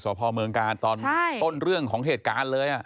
พ่อเมืองกาลตอนต้นเรื่องของเหตุการณ์เลย